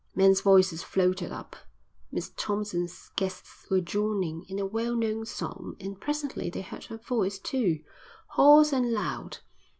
Men's voices floated up. Miss Thompson's guests were joining in a well known song and presently they heard her voice too, hoarse and loud.